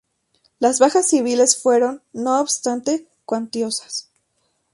Las bajas civiles fueron, no obstante, cuantiosas.